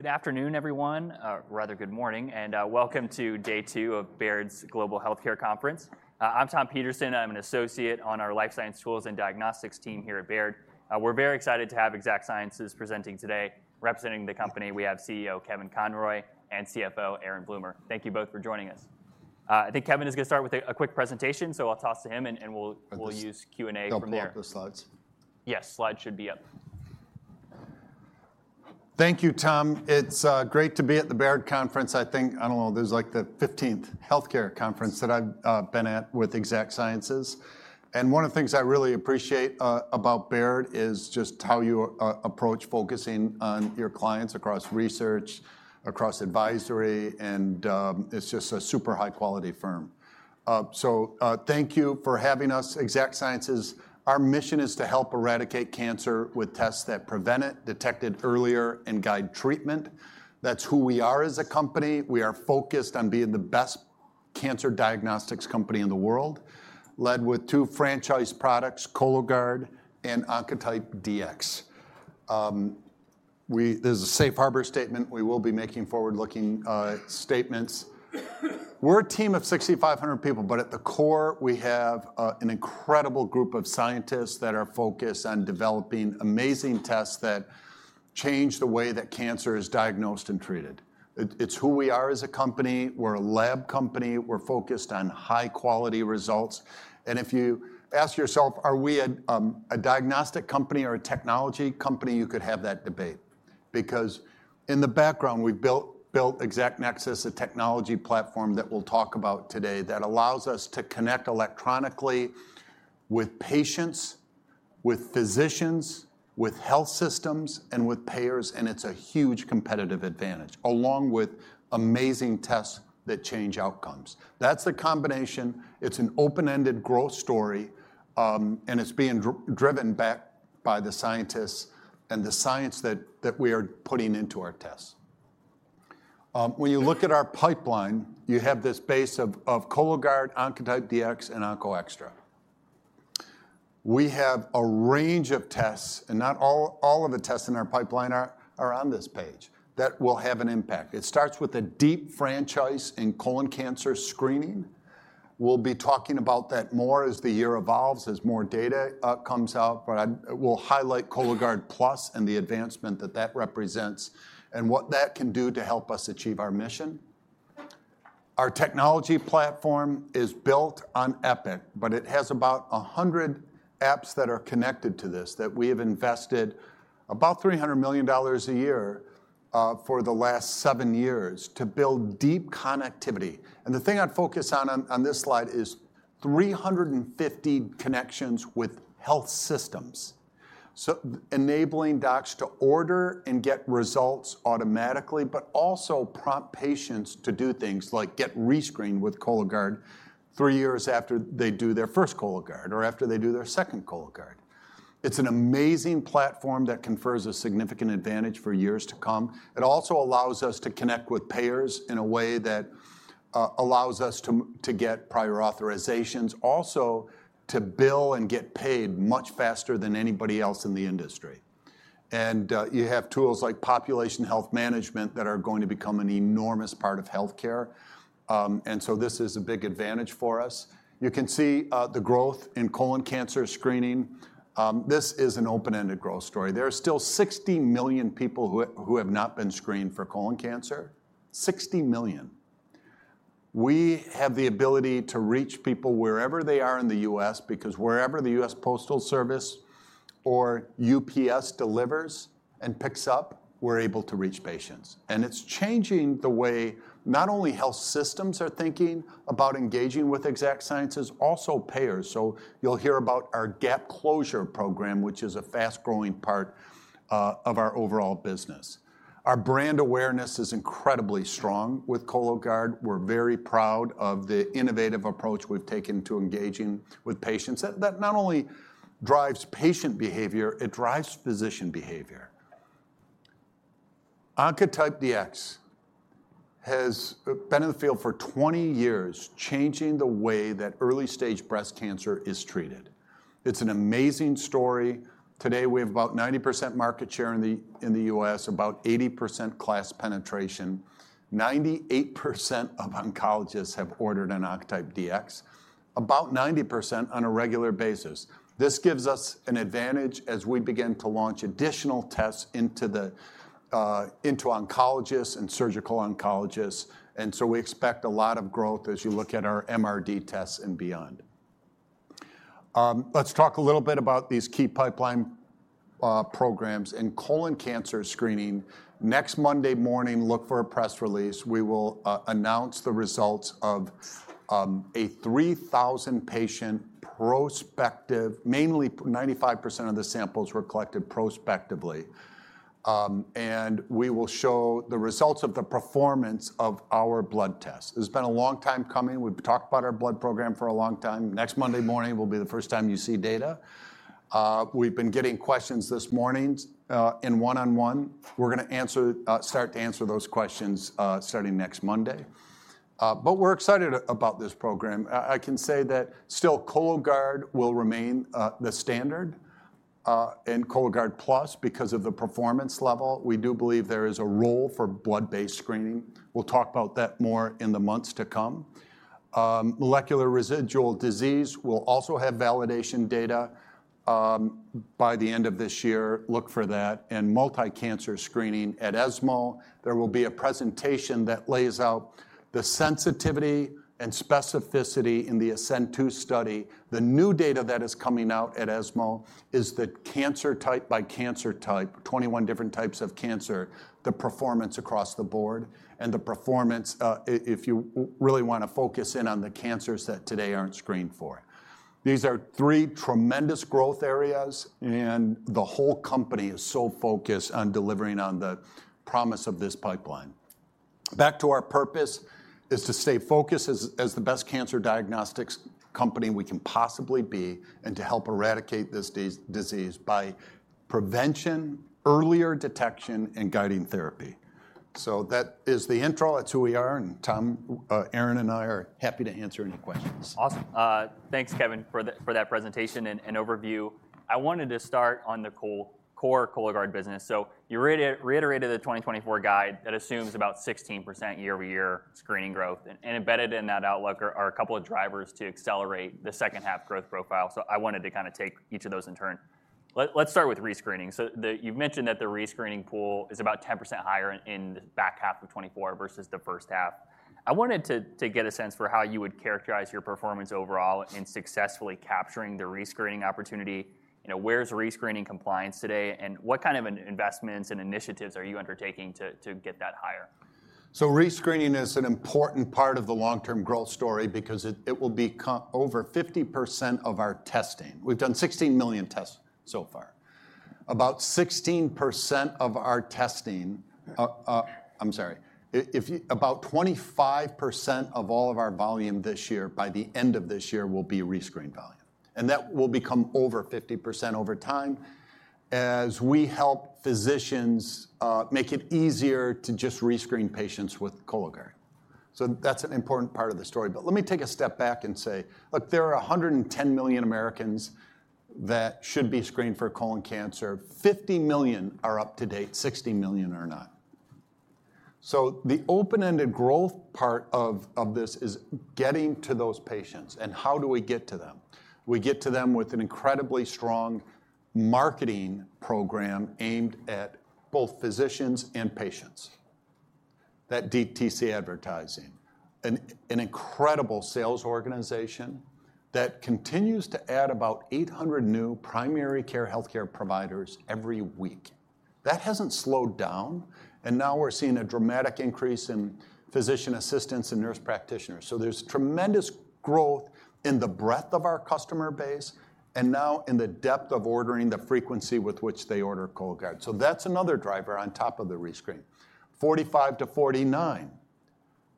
Good afternoon, everyone, rather good morning, and welcome to day two of Baird's Global Healthcare Conference. I'm Tom Peterson. I'm an associate on our life science tools and diagnostics team here at Baird. We're very excited to have Exact Sciences presenting today. Representing the company, we have CEO Kevin Conroy and CFO Aaron Bloomer. Thank you both for joining us. I think Kevin is going to start with a quick presentation, so I'll toss to him and we'll use Q&A from there. They'll pull up the slides? Yes, slides should be up. Thank you, Tom. It's great to be at the Baird Conference. I think, I don't know, this is, like, the fifteenth healthcare conference that I've been at with Exact Sciences. And one of the things I really appreciate about Baird is just how you approach focusing on your clients across research, across advisory, and it's just a super high quality firm. So thank you for having us, Exact Sciences. Our mission is to help eradicate cancer with tests that prevent it, detect it earlier, and guide treatment. That's who we are as a company. We are focused on being the best cancer diagnostics company in the world, led with two franchise products, Cologuard and Oncotype DX. This is a safe harbor statement. We will be making forward-looking statements. We're a team of 6,500 people, but at the core, we have an incredible group of scientists that are focused on developing amazing tests that change the way that cancer is diagnosed and treated. It, it's who we are as a company. We're a lab company. We're focused on high-quality results, and if you ask yourself, are we a diagnostic company or a technology company? You could have that debate. Because in the background, we've built Exact Nexus, a technology platform that we'll talk about today, that allows us to connect electronically with patients, with physicians, with health systems, and with payers, and it's a huge competitive advantage, along with amazing tests that change outcomes. That's the combination. It's an open-ended growth story, and it's being driven back by the scientists and the science that we are putting into our tests. When you look at our pipeline, you have this base of Cologuard, Oncotype DX, and OncoExTra. We have a range of tests, and not all of the tests in our pipeline are on this page that will have an impact. It starts with a deep franchise in colon cancer screening. We'll be talking about that more as the year evolves, as more data comes out, but we'll highlight Cologuard Plus and the advancement that that represents and what that can do to help us achieve our mission. Our technology platform is built on Epic, but it has about 100 apps that are connected to this that we have invested about $300 million a year for the last seven years to build deep connectivity. The thing I'd focus on this slide is 350 connections with health systems. Enabling docs to order and get results automatically, but also prompt patients to do things like get re-screened with Cologuard three years after they do their first Cologuard, or after they do their second Cologuard. It's an amazing platform that confers a significant advantage for years to come. It also allows us to connect with payers in a way that allows us to get prior authorizations, also to bill and get paid much faster than anybody else in the industry. You have tools like population health management that are going to become an enormous part of healthcare. This is a big advantage for us. You can see the growth in colon cancer screening. This is an open-ended growth story. There are still sixty million people who have not been screened for colon cancer. Sixty million. We have the ability to reach people wherever they are in the U.S. because wherever the U.S. Postal Service or UPS delivers and picks up, we're able to reach patients. And it's changing the way, not only health systems are thinking about engaging with Exact Sciences, also payers. So you'll hear about our gap closure program, which is a fast-growing part of our overall business. Our brand awareness is incredibly strong with Cologuard. We're very proud of the innovative approach we've taken to engaging with patients. That not only drives patient behavior, it drives physician behavior. Oncotype DX has been in the field for twenty years, changing the way that early-stage breast cancer is treated. It's an amazing story. Today, we have about 90% market share in the U.S., about 80% lab penetration. 98% of oncologists have ordered an Oncotype DX, about 90% on a regular basis. This gives us an advantage as we begin to launch additional tests into oncologists and surgical oncologists, and so we expect a lot of growth as you look at our MRD tests and beyond. Let's talk a little bit about these key pipeline programs. In colon cancer screening, next Monday morning, look for a press release. We will announce the results of a 3,000 patient prospective... Mainly, 95% of the samples were collected prospectively. And we will show the results of the performance of our blood test. It's been a long time coming. We've talked about our blood program for a long time. Next Monday morning will be the first time you see data. We've been getting questions this morning in one-on-one. We're gonna start to answer those questions starting next Monday. But we're excited about this program. I can say that still Cologuard will remain the standard and Cologuard Plus because of the performance level. We do believe there is a role for blood-based screening. We'll talk about that more in the months to come. Molecular residual disease will also have validation data by the end of this year, look for that, and multi-cancer screening at ESMO, there will be a presentation that lays out the sensitivity and specificity in the ASCEND-2 study. The new data that is coming out at ESMO is that cancer type by cancer type, 21 different types of cancer, the performance across the board, and the performance, if you really wanna focus in on the cancers that today aren't screened for. These are three tremendous growth areas, and the whole company is so focused on delivering on the promise of this pipeline. Back to our purpose, is to stay focused as the best cancer diagnostics company we can possibly be, and to help eradicate this disease by prevention, earlier detection, and guiding therapy. So that is the intro, that's who we are, and Tom, Aaron, and I are happy to answer any questions. Awesome. Thanks, Kevin, for that presentation and overview. I wanted to start on the core Cologuard business. You reiterated the 2024 guide that assumes about 16% year-over-year screening growth, and embedded in that outlook are a couple of drivers to accelerate the second half growth profile. I wanted to kinda take each of those in turn. Let's start with rescreening. You've mentioned that the rescreening pool is about 10% higher in the back half of 2024 versus the first half. I wanted to get a sense for how you would characterize your performance overall in successfully capturing the rescreening opportunity. You know, where's rescreening compliance today, and what kind of investments and initiatives are you undertaking to get that higher? So rescreening is an important part of the long-term growth story because it will be over 50% of our testing. We've done 16 million tests so far. About 25% of all of our volume this year, by the end of this year, will be rescreened volume, and that will become over 50% over time as we help physicians make it easier to just rescreen patients with Cologuard. So that's an important part of the story. But let me take a step back and say: Look, there are 110 million Americans that should be screened for colon cancer. 50 million are up to date, 60 million are not. So the open-ended growth part of this is getting to those patients, and how do we get to them? We get to them with an incredibly strong marketing program aimed at both physicians and patients. That DTC advertising, an incredible sales organization that continues to add about 800 new primary care healthcare providers every week. That hasn't slowed down, and now we're seeing a dramatic increase in physician assistants and nurse practitioners. So there's tremendous growth in the breadth of our customer base, and now in the depth of ordering, the frequency with which they order Cologuard. So that's another driver on top of the rescreen. 45-49,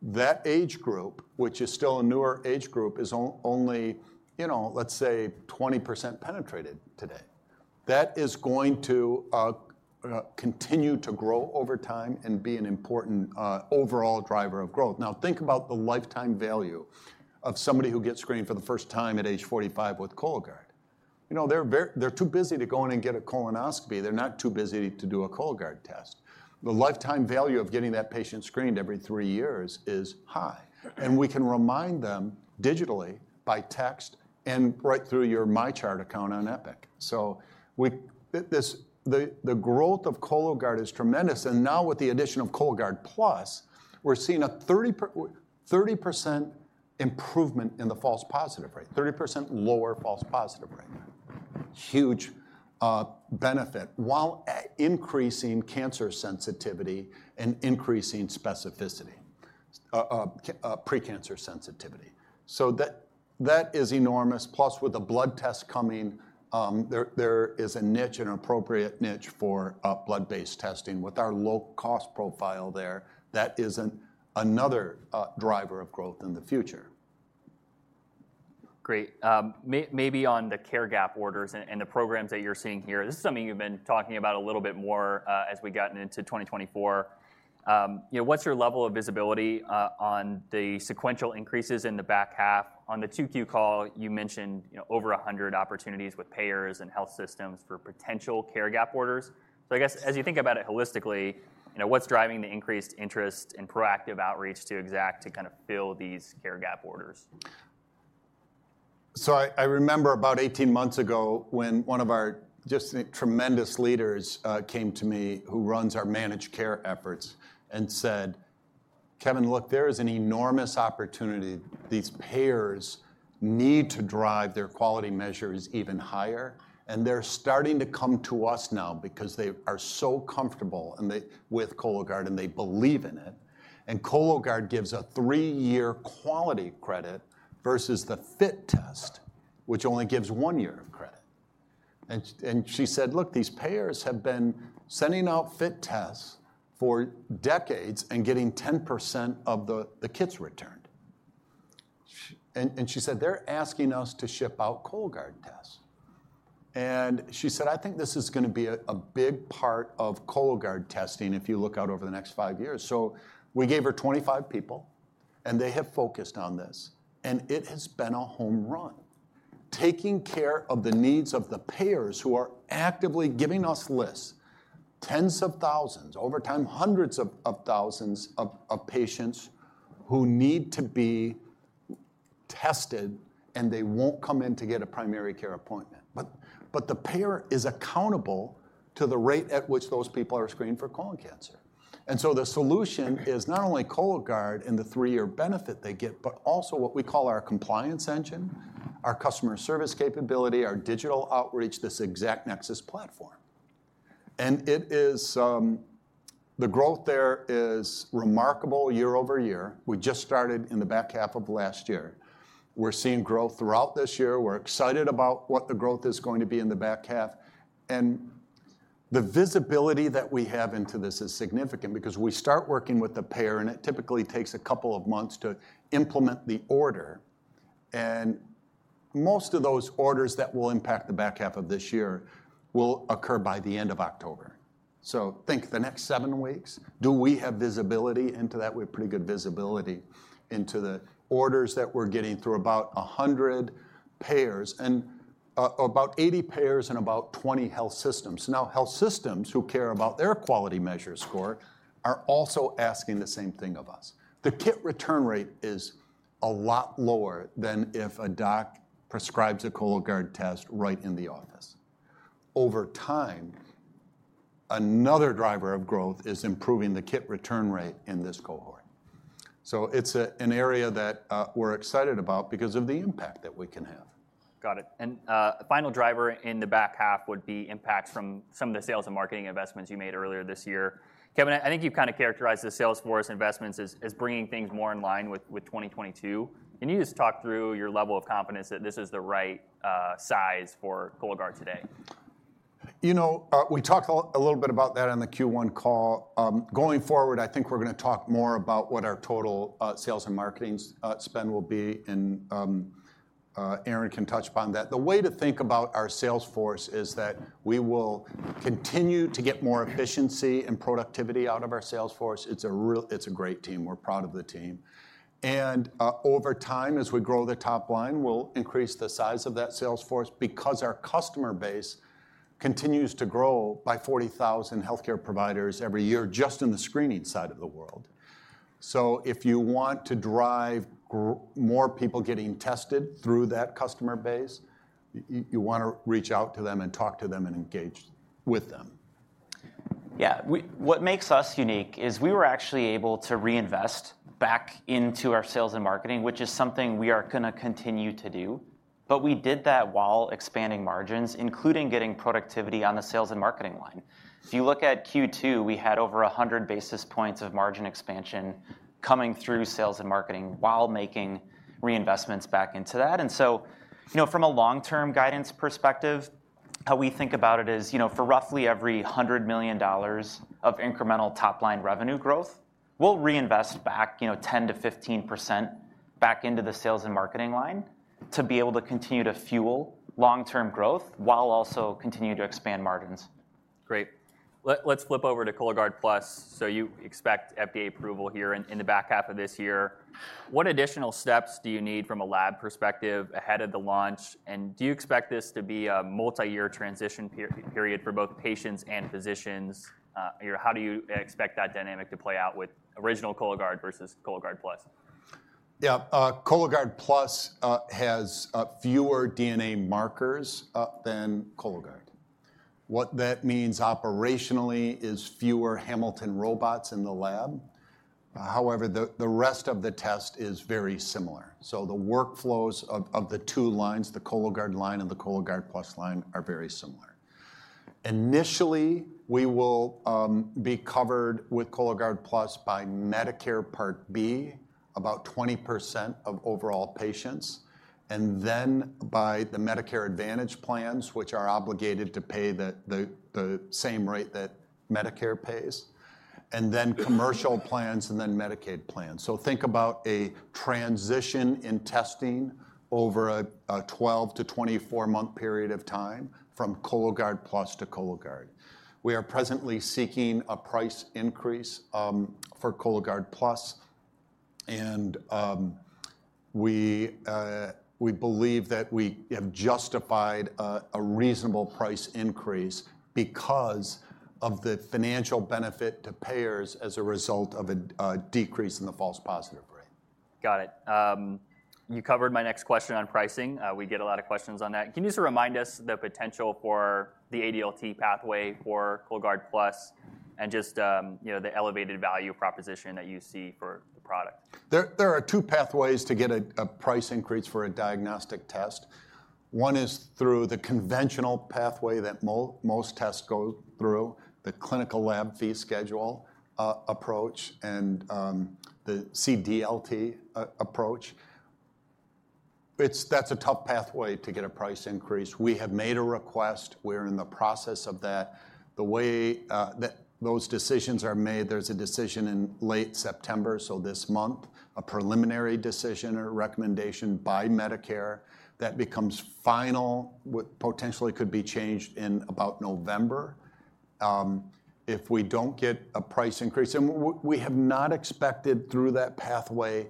that age group, which is still a newer age group, is only, you know, let's say, 20% penetrated today. That is going to continue to grow over time and be an important overall driver of growth. Now, think about the lifetime value of somebody who gets screened for the first time at age forty-five with Cologuard. You know, they're too busy to go in and get a colonoscopy. They're not too busy to do a Cologuard test. The lifetime value of getting that patient screened every three years is high, and we can remind them digitally by text and right through your MyChart account on Epic. So, the growth of Cologuard is tremendous, and now with the addition of Cologuard Plus, we're seeing a 30% improvement in the false positive rate, 30% lower false positive rate. Huge benefit while increasing cancer sensitivity and increasing specificity, pre-cancer sensitivity. So that is enormous, plus with the blood test coming, there is a niche, an appropriate niche for blood-based testing. With our low-cost profile there, that is another driver of growth in the future. Great. Maybe on the care gap orders and the programs that you're seeing here, this is something you've been talking about a little bit more as we've gotten into twenty twenty-four. You know, what's your level of visibility on the sequential increases in the back half? On the 2Q call, you mentioned, you know, over a hundred opportunities with payers and health systems for potential care gap orders. So I guess, as you think about it holistically, you know, what's driving the increased interest in proactive outreach to Exact to kind of fill these care gap orders? I remember about eighteen months ago when one of our just tremendous leaders came to me, who runs our managed care efforts, and said, "Kevin, look, there is an enormous opportunity. These payers need to drive their quality measures even higher, and they're starting to come to us now because they are so comfortable with Cologuard, and they believe in it." And Cologuard gives a three-year quality credit versus the FIT test, which only gives one year of credit. And she said: Look, these payers have been sending out FIT tests for decades and getting 10% of the kits returned.... And she said, "They're asking us to ship out Cologuard tests." And she said, "I think this is gonna be a big part of Cologuard testing if you look out over the next five years." So we gave her 25 people, and they have focused on this, and it has been a home run. Taking care of the needs of the payers who are actively giving us lists, tens of thousands, over time, hundreds of thousands of patients who need to be tested, and they won't come in to get a primary care appointment. But the payer is accountable to the rate at which those people are screened for colon cancer. And so the solution is not only Cologuard and the three-year benefit they get, but also what we call our compliance engine, our customer service capability, our digital outreach, this Exact Nexus platform. And it is the growth there is remarkable year-over-year. We just started in the back half of last year. We're seeing growth throughout this year. We're excited about what the growth is going to be in the back half, and the visibility that we have into this is significant because we start working with the payer, and it typically takes a couple of months to implement the order, and most of those orders that will impact the back half of this year will occur by the end of October. So think the next seven weeks, do we have visibility into that? We have pretty good visibility into the orders that we're getting through about a hundred payers, and about eighty payers and about twenty health systems. Now, health systems who care about their quality measure score are also asking the same thing of us. The kit return rate is a lot lower than if a doc prescribes a Cologuard test right in the office. Over time, another driver of growth is improving the kit return rate in this cohort. It's an area that we're excited about because of the impact that we can have. Got it. And final driver in the back half would be impacts from some of the sales and marketing investments you made earlier this year. Kevin, I think you've kind of characterized the sales force investments as bringing things more in line with 2022. Can you just talk through your level of confidence that this is the right size for Cologuard today? You know, we talked a little bit about that on the Q1 call. Going forward, I think we're gonna talk more about what our total sales and marketing spend will be, and Aaron can touch upon that. The way to think about our sales force is that we will continue to get more efficiency and productivity out of our sales force. It's a great team. We're proud of the team, and over time, as we grow the top line, we'll increase the size of that sales force because our customer base continues to grow by 40,000 healthcare providers every year, just in the screening side of the world. So if you want to drive more people getting tested through that customer base, you wanna reach out to them and talk to them and engage with them. Yeah, what makes us unique is we were actually able to reinvest back into our sales and marketing, which is something we are gonna continue to do, but we did that while expanding margins, including getting productivity on the sales and marketing line. If you look at Q2, we had over 100 basis points of margin expansion coming through sales and marketing while making reinvestments back into that. And so, you know, from a long-term guidance perspective, how we think about it is, you know, for roughly every $100 million of incremental top-line revenue growth, we'll reinvest back, you know, 10%-15% back into the sales and marketing line to be able to continue to fuel long-term growth, while also continuing to expand margins. Great. Let's flip over to Cologuard Plus, so you expect FDA approval here in the back half of this year. What additional steps do you need from a lab perspective ahead of the launch, and do you expect this to be a multi-year transition period for both patients and physicians, or how do you expect that dynamic to play out with original Cologuard versus Cologuard Plus? Yeah, Cologuard Plus has fewer DNA markers than Cologuard. What that means operationally is fewer Hamilton robots in the lab. However, the rest of the test is very similar. So the workflows of the two lines, the Cologuard line and the Cologuard Plus line, are very similar. Initially, we will be covered with Cologuard Plus by Medicare Part B, about 20% of overall patients, and then by the Medicare Advantage plans, which are obligated to pay the same rate that Medicare pays, and then commercial plans, and then Medicaid plans. So think about a transition in testing over a 12-24-month period of time from Cologuard Plus to Cologuard. We are presently seeking a price increase for Cologuard Plus, and we believe that we have justified a reasonable price increase because of the financial benefit to payers as a result of a decrease in the false positive rate. Got it. You covered my next question on pricing. We get a lot of questions on that. Can you just remind us the potential for the ADLT pathway for Cologuard Plus and just, you know, the elevated value proposition that you see for the product? There are two pathways to get a price increase for a diagnostic test. One is through the conventional pathway that most tests go through, the Clinical Laboratory Fee Schedule approach, and the CDLT approach. It's a tough pathway to get a price increase. We have made a request. We're in the process of that. The way that those decisions are made, there's a decision in late September, so this month, a preliminary decision or recommendation by Medicare that becomes final, with potentially could be changed in about November. If we don't get a price increase and we have not expected through that pathway,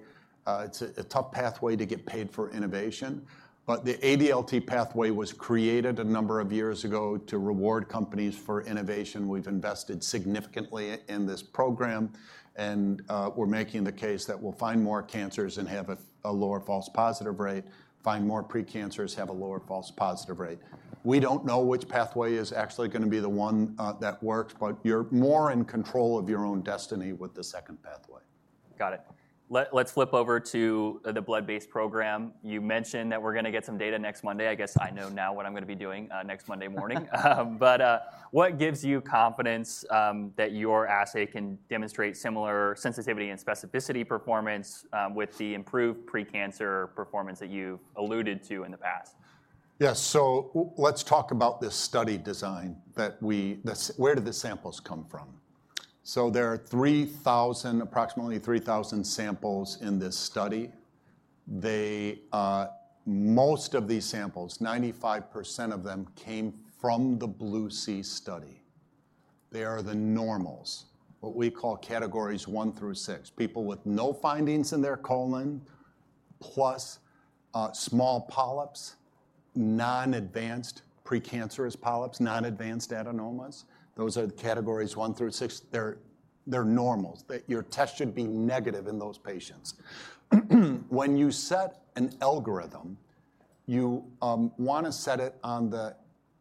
it's a tough pathway to get paid for innovation, but the ADLT pathway was created a number of years ago to reward companies for innovation. We've invested significantly in this program, and, we're making the case that we'll find more cancers and have a lower false positive rate, find more precancers, have a lower false positive rate. We don't know which pathway is actually gonna be the one, that works, but you're more in control of your own destiny with the second pathway. Got it. Let's flip over to the blood-based program. You mentioned that we're gonna get some data next Monday. I guess I know now what I'm gonna be doing next Monday morning. But what gives you confidence that your assay can demonstrate similar sensitivity and specificity performance with the improved pre-cancer performance that you've alluded to in the past? Yes. So let's talk about this study design. So where did the samples come from? So there are 3,000, approximately 3,000 samples in this study. Most of these samples, 95% of them, came from the BLUE-C study. They are the normals, what we call categories one through six, people with no findings in their colon, plus small polyps, non-advanced precancerous polyps, non-advanced adenomas. Those are the categories one through six. They're normals, that your test should be negative in those patients. When you set an algorithm, you want to set it on the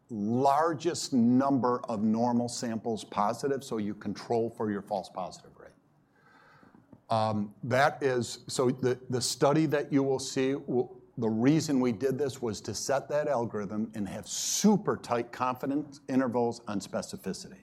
largest number of normal samples positive, so you control for your false positive rate. So the study that you will see, the reason we did this was to set that algorithm and have super tight confidence intervals on specificity.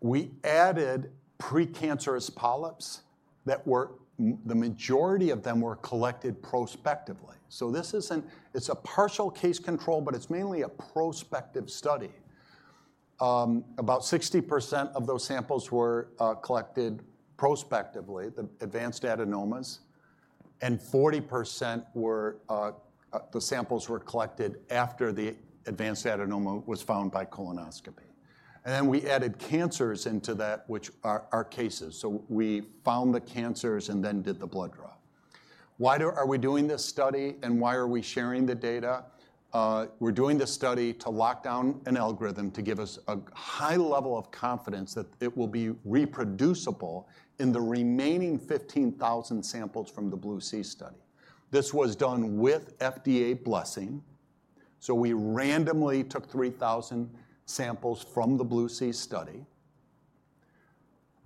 We added precancerous polyps that were the majority of them were collected prospectively. So this isn't. It's a partial case control, but it's mainly a prospective study. About 60% of those samples were collected prospectively, the advanced adenomas, and 40% were the samples were collected after the advanced adenoma was found by colonoscopy. And then we added cancers into that, which are our cases. So we found the cancers and then did the blood draw. Why are we doing this study, and why are we sharing the data? We're doing this study to lock down an algorithm to give us a high level of confidence that it will be reproducible in the remaining 15,000 samples from the BLUE-C study. This was done with FDA blessing, so we randomly took 3,000 samples from the BLUE-C study.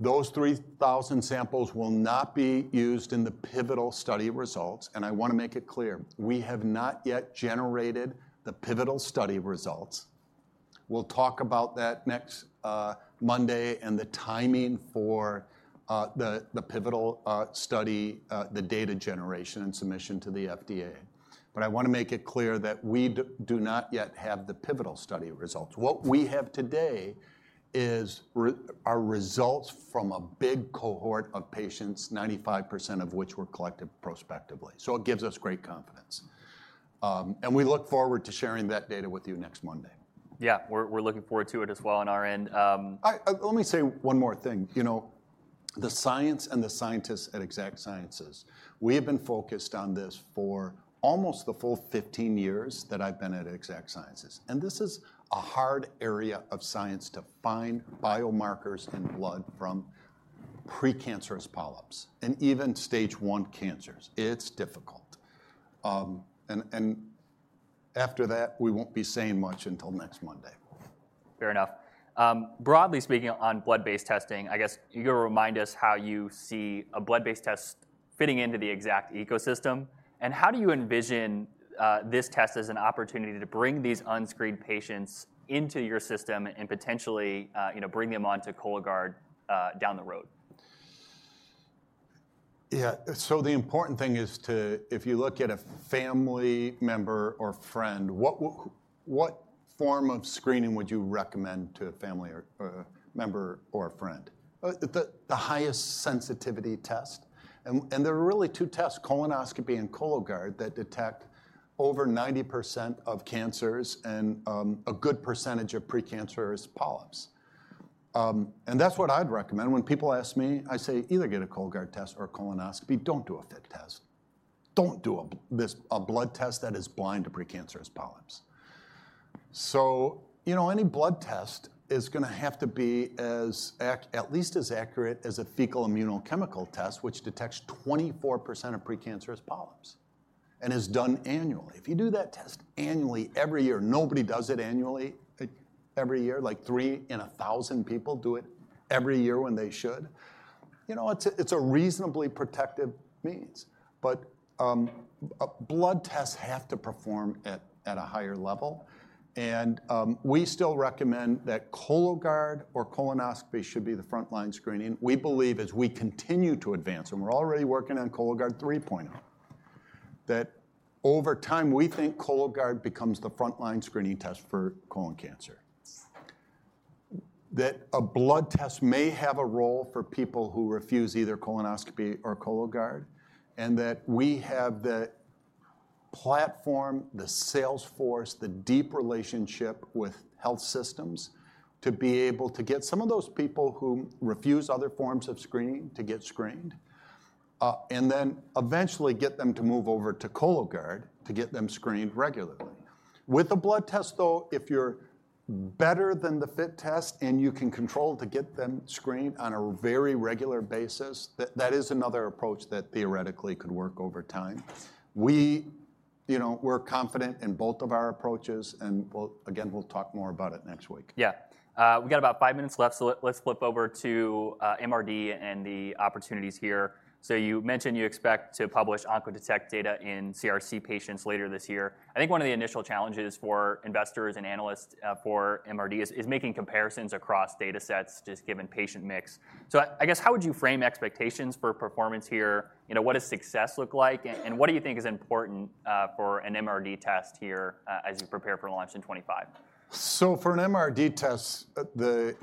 Those 3,000 samples will not be used in the pivotal study results, and I want to make it clear, we have not yet generated the pivotal study results. We'll talk about that next Monday, and the timing for the pivotal study, the data generation and submission to the FDA. I want to make it clear that we do not yet have the pivotal study results. What we have today are results from a big cohort of patients, 95% of which were collected prospectively. It gives us great confidence. We look forward to sharing that data with you next Monday. Yeah, we're looking forward to it as well on our end. I, let me say one more thing. You know, the science and the scientists at Exact Sciences, we have been focused on this for almost the full fifteen years that I've been at Exact Sciences, and this is a hard area of science to find biomarkers in blood from precancerous polyps and even stage one cancers. It's difficult, and after that, we won't be saying much until next Monday. Fair enough. Broadly speaking, on blood-based testing, I guess you're gonna remind us how you see a blood-based test fitting into the Exact ecosystem, and how do you envision this test as an opportunity to bring these unscreened patients into your system and potentially, you know, bring them onto Cologuard down the road? Yeah. So the important thing is to... If you look at a family member or friend, what form of screening would you recommend to a family or member or a friend? The highest sensitivity test, and there are really two tests, colonoscopy and Cologuard, that detect over 90% of cancers and a good percentage of precancerous polyps. And that's what I'd recommend. When people ask me, I say, "Either get a Cologuard test or a colonoscopy. Don't do a FIT test. Don't do a blood test that is blind to precancerous polyps." So, you know, any blood test is gonna have to be at least as accurate as a fecal immunochemical test, which detects 24% of precancerous polyps and is done annually. If you do that test annually, every year, nobody does it annually, like every year, like three in a thousand people do it every year when they should, you know, it's a reasonably protective means. But, blood tests have to perform at a higher level, and, we still recommend that Cologuard or colonoscopy should be the frontline screening. We believe as we continue to advance, and we're already working on Cologuard 3.0... that over time, we think Cologuard becomes the frontline screening test for colon cancer. That a blood test may have a role for people who refuse either colonoscopy or Cologuard, and that we have the platform, the sales force, the deep relationship with health systems, to be able to get some of those people who refuse other forms of screening to get screened. And then eventually get them to move over to Cologuard to get them screened regularly. With the blood test, though, if you're better than the FIT test, and you can control to get them screened on a very regular basis, that is another approach that theoretically could work over time. We, you know, we're confident in both of our approaches, and we'll again talk more about it next week. Yeah. We got about five minutes left, so let's flip over to MRD and the opportunities here. So you mentioned you expect to publish OncoDetect data in CRC patients later this year. I think one of the initial challenges for investors and analysts for MRD is making comparisons across data sets, just given patient mix. So I guess, how would you frame expectations for performance here? You know, what does success look like, and what do you think is important for an MRD test here, as you prepare for launch in 2025? So for an MRD test, at the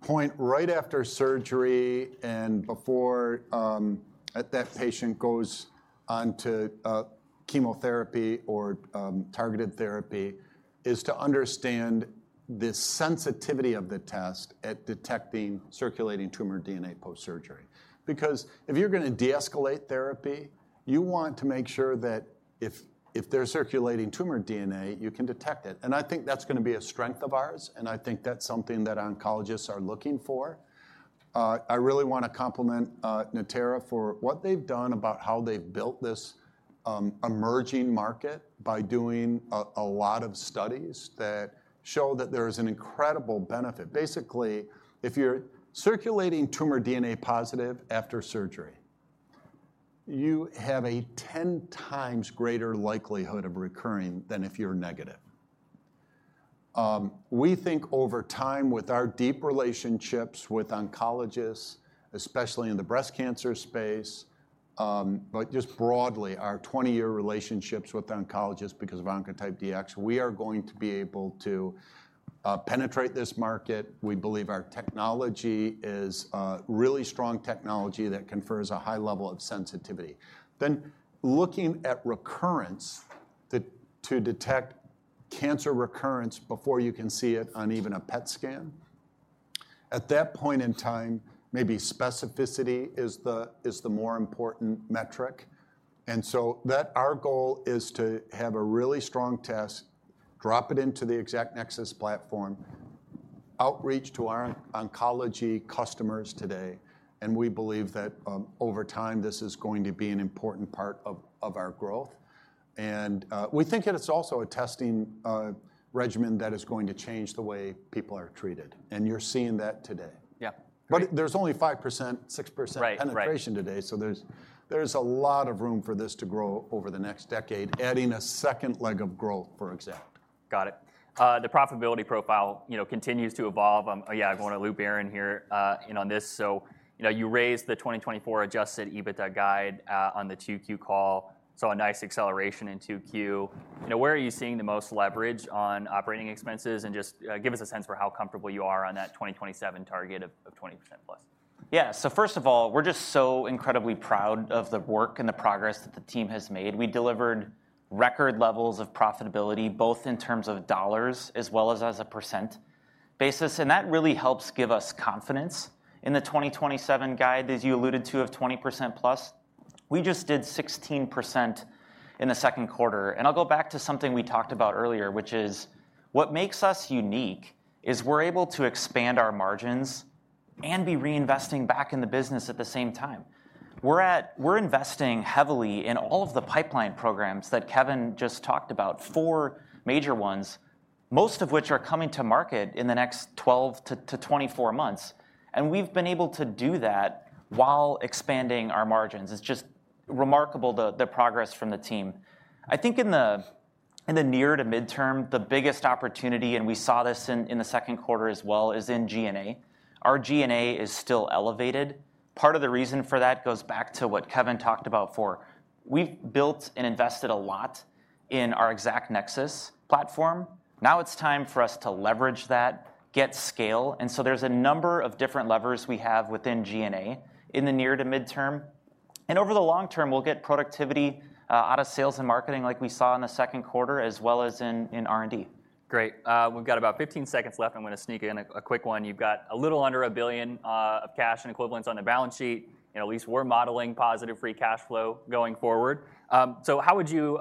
point right after surgery and before at that patient goes on to chemotherapy or targeted therapy, is to understand the sensitivity of the test at detecting circulating tumor DNA post-surgery. Because if you're going to deescalate therapy, you want to make sure that if there's circulating tumor DNA, you can detect it, and I think that's going to be a strength of ours, and I think that's something that oncologists are looking for. I really want to compliment Natera for what they've done about how they've built this emerging market by doing a lot of studies that show that there is an incredible benefit. Basically, if you're circulating tumor DNA positive after surgery, you have a 10 times greater likelihood of recurring than if you're negative. We think over time, with our deep relationships with oncologists, especially in the breast cancer space, but just broadly, our twenty-year relationships with oncologists because of Oncotype DX, we are going to be able to penetrate this market. We believe our technology is really strong technology that confers a high level of sensitivity. Then, looking at recurrence, to detect cancer recurrence before you can see it on even a PET scan, at that point in time, maybe specificity is the more important metric. And so that our goal is to have a really strong test, drop it into the Exact Nexus platform, outreach to our oncology customers today, and we believe that, over time, this is going to be an important part of our growth. And, we think it is also a testing regimen that is going to change the way people are treated, and you're seeing that today. Yeah. But there's only 5%-6%- Right. Right... penetration today, so there's a lot of room for this to grow over the next decade, adding a second leg of growth for Exact. Got it. The profitability profile, you know, continues to evolve. Yeah, I want to loop Aaron here in on this. So, you know, you raised the twenty twenty-four adjusted EBITDA guide on the 2Q call, so a nice acceleration in 2Q. You know, where are you seeing the most leverage on operating expenses? And just give us a sense for how comfortable you are on that twenty twenty-seven target of 20%+. Yeah. So first of all, we're just so incredibly proud of the work and the progress that the team has made. We delivered record levels of profitability, both in terms of dollars as well as on a percent basis, and that really helps give us confidence in the 2027 guide, as you alluded to, of 20%+. We just did 16% in the second quarter, and I'll go back to something we talked about earlier, which is: what makes us unique is we're able to expand our margins and be reinvesting back in the business at the same time. We're investing heavily in all of the pipeline programs that Kevin just talked about, four major ones, most of which are coming to market in the next twelve to twenty-four months, and we've been able to do that while expanding our margins. It's just remarkable, the progress from the team. I think in the near to midterm, the biggest opportunity, and we saw this in the second quarter as well, is in G&A. Our G&A is still elevated. Part of the reason for that goes back to what Kevin talked about for... We've built and invested a lot in our Exact Nexus platform. Now it's time for us to leverage that, get scale, and so there's a number of different levers we have within G&A in the near to midterm, and over the long term, we'll get productivity out of sales and marketing like we saw in the second quarter, as well as in R&D. Great. We've got about fifteen seconds left. I'm going to sneak in a quick one. You've got a little under a billion of cash and equivalents on the balance sheet, and at least we're modeling positive free cash flow going forward. So how would you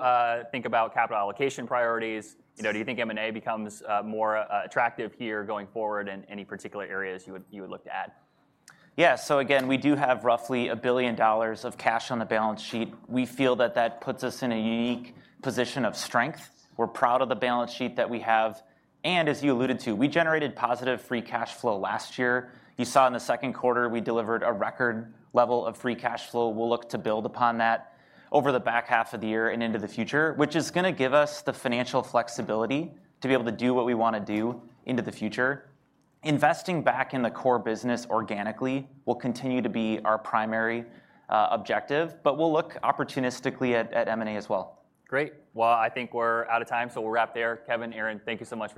think about capital allocation priorities? You know, do you think M&A becomes more attractive here going forward, and any particular areas you would look to add? Yeah. So again, we do have roughly $1 billion of cash on the balance sheet. We feel that that puts us in a unique position of strength. We're proud of the balance sheet that we have, and as you alluded to, we generated positive free cash flow last year. You saw in the second quarter, we delivered a record level of free cash flow. We'll look to build upon that over the back half of the year and into the future, which is going to give us the financial flexibility to be able to do what we want to do into the future. Investing back in the core business organically will continue to be our primary objective, but we'll look opportunistically at M&A as well. Great. Well, I think we're out of time, so we'll wrap there. Kevin, Aaron, thank you so much.